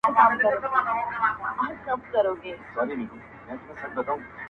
په شل ځله د دامونو د شلولو،